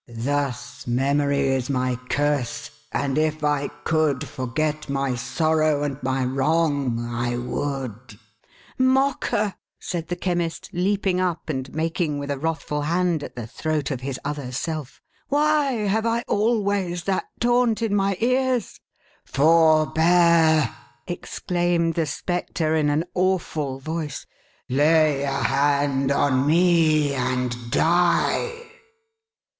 Thus, memory is my curse; and, if I could forget my sorrow and my wrong, I would !" 440 THE HAUNTED MAN. " Mocker !" said the Chemist, leaping up, and making, with a wrathful hand, at the throat of his other self. " Why have I always that taunt in my ears ?"" Forbear !" exclaimed the Spectre in an awful voice. " Lay a hand on me, and die